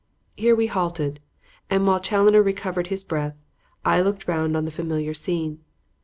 Here we halted, and while Challoner recovered his breath, I looked round on the familiar scene.